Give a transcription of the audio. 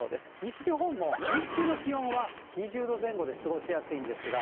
西日本も日中の気温は２０度前後で過ごしやすいんですが。